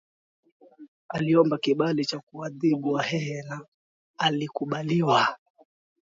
Aliomba kibali cha kuwaadhibu Wahehe na alikubaliwa